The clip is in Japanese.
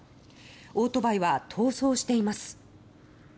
オートバイは逃走しています。